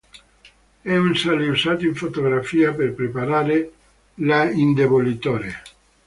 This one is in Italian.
È un sale usato in fotografia per preparare l'indebolitore.